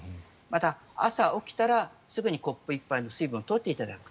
また、朝起きたらすぐにコップ１杯の水分を取っていただく。